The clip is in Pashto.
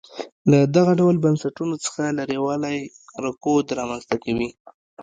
له دغه ډول بنسټونو څخه لرېوالی رکود رامنځته کوي.